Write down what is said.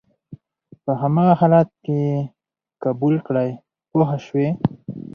په هماغه حالت کې یې قبول کړئ پوه شوې!.